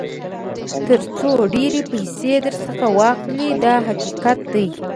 تر څو ډېرې پیسې درڅخه واخلي دا حقیقت دی.